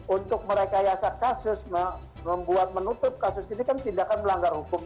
untuk mereka yasak kasus membuat menutup kasus ini kan tidak akan melanggar hukum